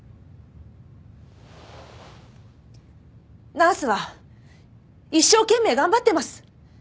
ナースは一生懸命頑張ってます！